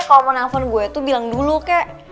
kalau mau nelfon gue tuh bilang dulu kek